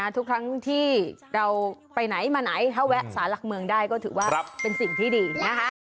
ทุกครั้งที่เราไปไหนมาไหนถ้าแวะสารหลักเมืองได้ก็ถือว่าเป็นสิ่งที่ดีนะคะ